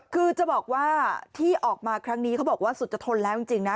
คือจะบอกว่าที่ออกมาครั้งนี้เขาบอกว่าสุดจะทนแล้วจริงนะ